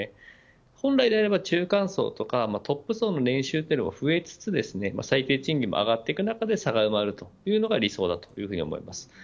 本来であれば中間層とかトップ層の年収も増えつつ最低賃金も上がっていく中で差が埋まるというのが理想だというふうに思います。